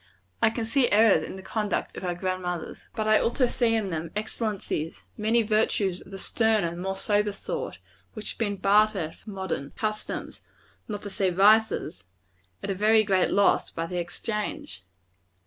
I can see errors in the conduct of our grand mothers. But I also see in them excellencies; many virtues of the sterner, more sober sort, which have been bartered for modern customs not to say vices at a very great loss by the exchange.